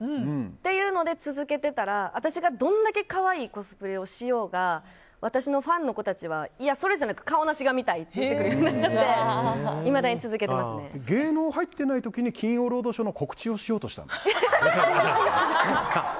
っていうので続けてたら私がどんだけ可愛いコスプレをしようが私のファンの子たちはいや、それじゃなくカオナシ見たいってなっちゃって芸能入ってない時に「金曜ロードＳＨＯＷ！」の告知をしようとしたの？